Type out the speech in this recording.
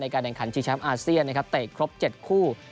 ในการแด่งขันชีวิตชาติอาเซียนนะครับเตะครบ๗คู่